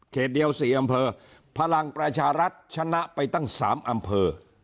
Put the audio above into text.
เดียว๔อำเภอพลังประชารัฐชนะไปตั้ง๓อำเภอ